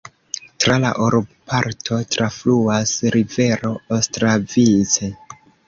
Tra la urboparto trafluas rivero Ostravice.